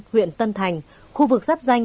huyện tân thành khu vực giáp danh